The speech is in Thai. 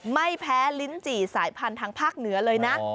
ไม่แพ้ลิ้นจี่สายพันธุ์ทางภาคเหนือเลยนะ